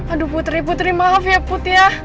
aduh putri putri maaf ya putih ya